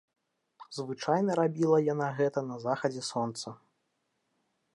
Звычайна рабіла яна гэта на захадзе сонца.